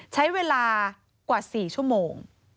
ใช้เวลากว่า๔ชั่วโมง